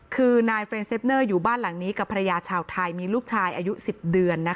คือนายเฟรนเซฟเนอร์อยู่บ้านหลังนี้กับภรรยาชาวไทยมีลูกชายอายุ๑๐เดือน